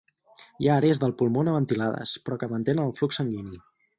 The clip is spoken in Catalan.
Hi ha àrees del pulmó no ventilades, però que mantenen el flux sanguini.